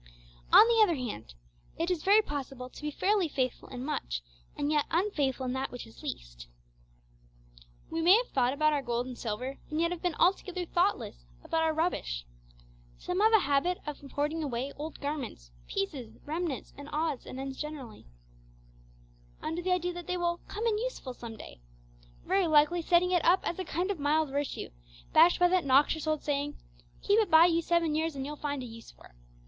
On the other hand, it is very possible to be fairly faithful in much, and yet unfaithful in that which is least. We may have thought about our gold and silver, and yet have been altogether thoughtless about our rubbish! Some have a habit of hoarding away old garments, 'pieces,' remnants, and odds and ends generally, under the idea that they 'will come in useful some day;' very likely setting it up as a kind of mild virtue, backed by that noxious old saying, 'Keep it by you seven years, and you'll find a use for it.'